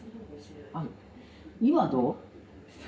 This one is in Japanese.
今はどう？